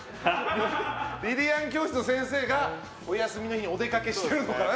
リリアン教室の先生がお休みの日にお出かけしてるのかな。